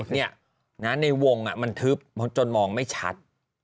ใช่เนี่ยในวงมันทึบจนมองไม่ชัด